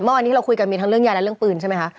เมื่อวานนี้เราคุยกันมีทั้งเรื่องยาและเรื่องปืนใช่ไหมคะ